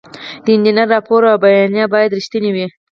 پلار او زوی په خوښۍ سره یو بل په غیږ کې ونیول.